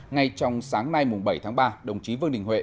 ngay trong sáng nay bảy tháng ba đồng chí vương đình huệ